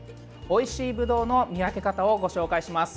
おいしいブドウの見分け方をご紹介します。